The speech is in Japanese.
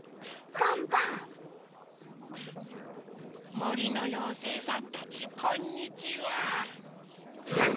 もりのようせいさんたちこんにちは！